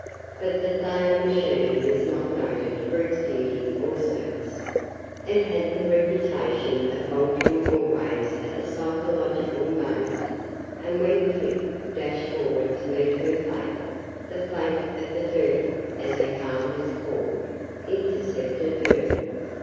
But the Thayer machine was not noted for its beauty or service it had the reputation of bolting always at the "psychological moment," and when Clip dashed forward to meet her fate, the fate of the Turtle (as her car was called) intercepted her.